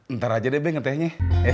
ntar aja be ngetehnya